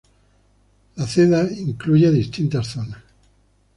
La Ceda incluye distintas zonas.